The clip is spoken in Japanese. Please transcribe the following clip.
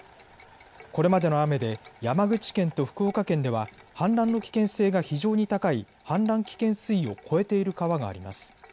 これまでの雨で山口県と福岡県では氾濫の危険性が非常に高い氾濫危険水位を超えている川があります。